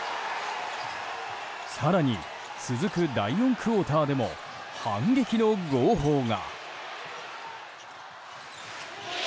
更に続く第４クオーターでも反撃の号砲が。